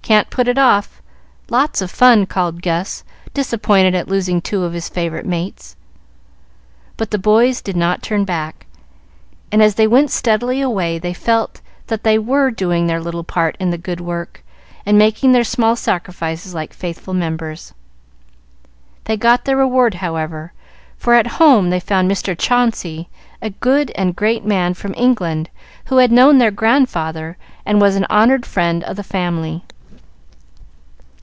Can't put it off. Lots of fun," called Gus, disappointed at losing two of his favorite mates. But the boys did not turn back, and as they went steadily away they felt that they were doing their little part in the good work, and making their small sacrifices, like faithful members. They got their reward, however, for at home they found Mr. Chauncey, a good and great man, from England, who had known their grandfather, and was an honored friend of the family.